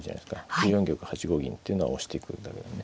９四玉８五銀っていうのは押していくんだけどね。